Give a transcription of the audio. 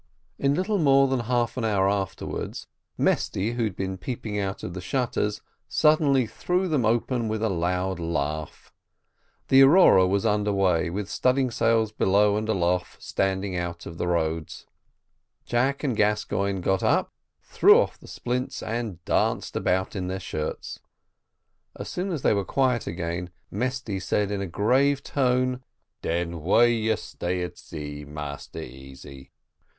In little more than half an hour afterwards, Mesty, who had been peeping out of the shutters, suddenly threw them open with a loud laugh. The Aurora was under way, with studding sails below and aloft, standing out of the roads. Jack and Gascoigne got up, threw off the splints, and danced about in their shirts. As soon as they were quiet again, Mesty said in a grave tone, "Den why you stay at sea, Massa Easy?"